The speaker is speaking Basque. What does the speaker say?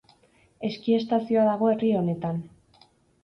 Eski estazioa dago herri honetan.